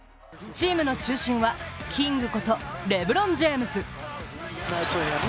チームの中心はキングこと、レブロン・ジェームズ。